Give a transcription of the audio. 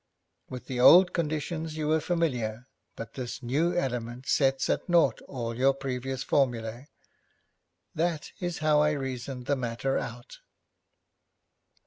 With the old conditions you were familiar, but this new element sets at nought all your previous formulae. That is how I reasoned the matter out.'